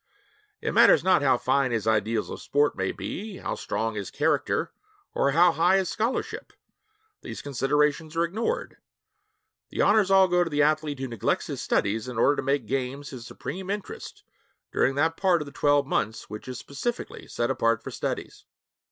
It matters not how fine his ideals of sport may be, how strong his character, or how high his scholarship. These considerations are ignored. The honors all go to the athlete who neglects his studies in order to make games his supreme interest during that part of the twelve months which is specifically set apart for studies.